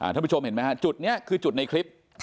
ท่านผู้ชมเห็นไหมฮะจุดนี้คือจุดในคลิป